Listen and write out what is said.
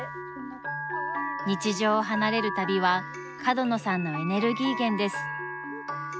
日常を離れる旅は角野さんのエネルギー源です。